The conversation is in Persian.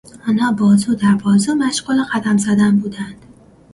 آنها بازو در بازو مشغول قدم زدن بودند.